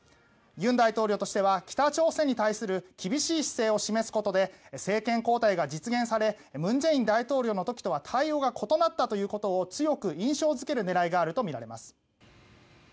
尹大統領としては北朝鮮に対する厳しい姿勢を示すことで政権交代が実現され文在寅大統領の時とは対応が異なったということを強く印象付ける狙いがあるとみられます。